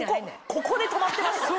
ここで止まってました。